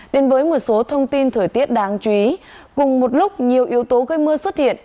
đến với một số thông tin thời tiết đáng chú ý cùng một lúc nhiều yếu tố gây mưa xuất hiện